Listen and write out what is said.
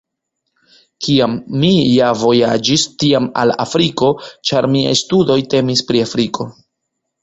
Kiam mi ja vojaĝis, tiam al Afriko, ĉar miaj studoj temis pri Afriko.